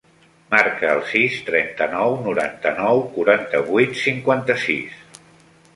Marca el sis, trenta-nou, noranta-nou, quaranta-vuit, cinquanta-sis.